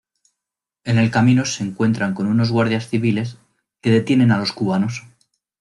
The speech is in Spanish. En el camino se encuentran con unos guardias civiles, que detienen a los cubanos.